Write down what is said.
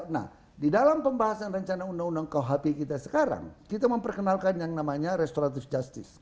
nah di dalam pembahasan rencana undang undang kuhp kita sekarang kita memperkenalkan yang namanya restoratif justice